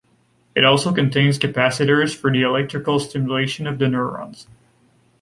It also contains capacitors for the electrical stimulation of the neurons.